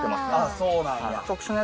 そうなんや。